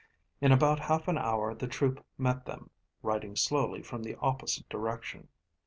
In about half an hour the troop met them, riding slowly from the opposite direction.